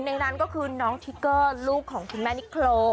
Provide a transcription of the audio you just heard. ๑ในนานคือน้อติเกอร์รูปของคุณแม่นิโคร